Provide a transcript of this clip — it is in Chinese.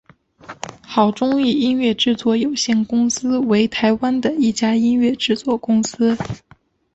好钟意音乐制作有限公司为台湾的一家音乐制作公司。